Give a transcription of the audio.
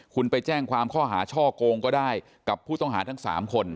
คุณไปแจ้งความข้อหาช่อโกงก็ได้กับผู้ต้องหาทั้ง๓คน